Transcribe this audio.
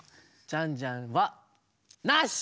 ジャンジャンはなし！